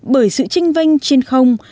bởi sự tranh vanh trên không